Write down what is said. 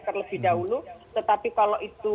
terlebih dahulu tetapi kalau itu